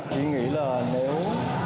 chỉ nghĩ là nếu